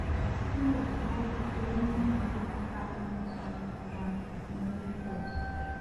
He was ordained in the Divine Science branch of New Thought.